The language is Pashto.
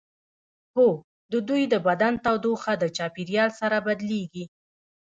هو د دوی د بدن تودوخه د چاپیریال سره بدلیږي